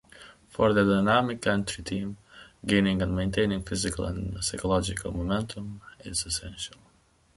For the dynamic entry team, gaining and maintaining physical and psychological momentum is essential.